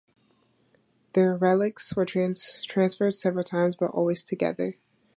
Their relics were transferred several times but always together.